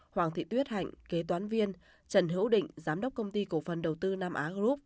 hoàng thị tuyết hạnh kế toán viên trần hữu định giám đốc công ty cổ phần đầu tư nam á group